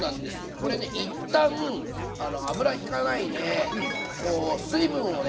これね一旦油ひかないでこう水分をね